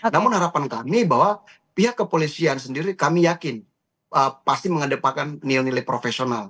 namun harapan kami bahwa pihak kepolisian sendiri kami yakin pasti mengedepankan nilai nilai profesional